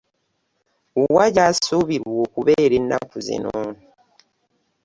Wa gy’asuubirwa okubeera ennaku zino.